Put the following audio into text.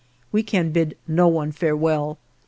We can bid no one farewell.